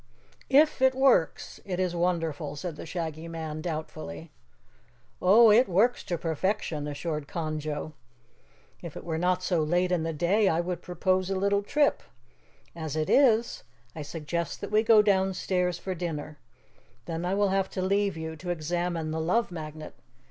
"If it works, it is wonderful," said the Shaggy Man doubtfully. "Oh, it works to perfection," assured Conjo. "If it were not so late in the day, I would propose a little trip. As it is, I suggest that we go downstairs for dinner. Then I will have to leave you to examine the Love Magnet.